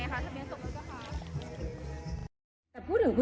ไม่มีสติเพราะว่าตรงไม่มีสตางค์ค่ะ